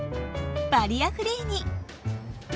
バリアフリーに。